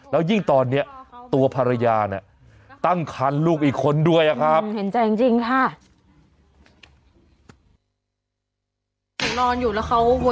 แล้วยิ่งตอนนี้ตัวภรรยาเนี่ยตั้งคันลูกอีกคนด้วยอะครับ